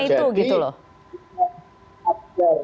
jualannya itu gitu loh